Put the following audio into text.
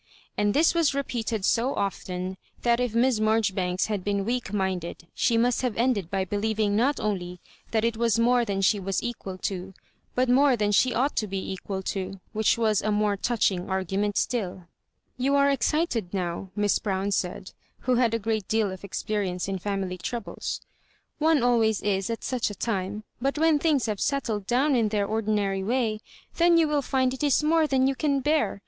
'' And this was repeated so often that if Miss Maijoribanks had been weak minded, she must have ended by believing not only that it was more than slie was equal to, but more than she ought to be equal to — ^which was a more touchmg argument still "You are excited now," Miss Brown said, who had a great deal of experience in family trou bles ;" one always is at such a time ; bat when things have settled down in their ordinary way, then you wifl find it is more than you can bear.